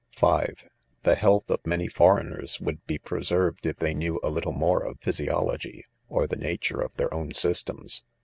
( 5) The h ealth of many foreigners Would be preserved , if they knew a little more of physiology, or the nature of their own systems.